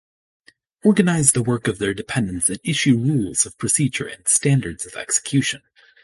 Organize the work of their dependents and issue rules of procedure and standards of execution.